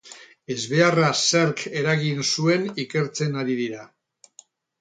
Ezbeharra zerk eragin zuen ikertzen ari dira.